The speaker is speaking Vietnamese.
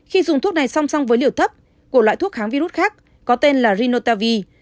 khi dùng thuốc này song song với liều thấp của loại thuốc kháng virus khác có tên là rinotavi